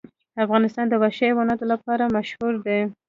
افغانستان د وحشي حیواناتو لپاره مشهور دی.